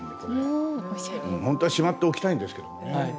ほんとはしまっておきたいんですけれどね。